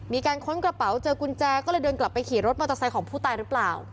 ค้นกระเป๋าเจอกุญแจก็เลยเดินกลับไปขี่รถมอเตอร์ไซค์ของผู้ตายหรือเปล่า